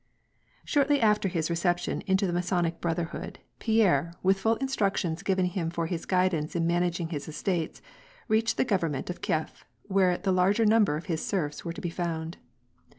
Shortly after his reception into the Masonic Brotherhood, Pierre, with full instructions given him for his guidance in managing his estates, reached the government of Kief, where the larger number of his serfs were to be found.